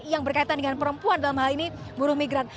yang berkaitan dengan perempuan dalam hal ini buruh migran